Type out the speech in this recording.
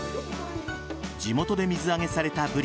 地元で水揚げされたブリ